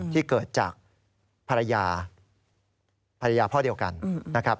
ที่เกิดจากภรรยาภรรยาพ่อเดียวกันนะครับ